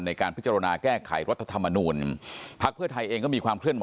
ในการพิจารณาแก้ไขรัฐธรรมนูลพักเพื่อไทยเองก็มีความเคลื่อนไ